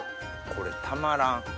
これたまらん。